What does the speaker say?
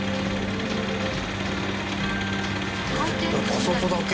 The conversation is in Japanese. あそこだけ？